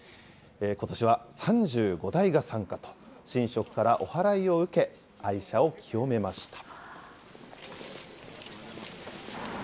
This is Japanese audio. ことしは３５台が参加と、神職からおはらいを受け、愛車を清めました。